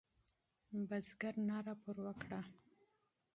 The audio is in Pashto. بزګر ناره پر وکړه.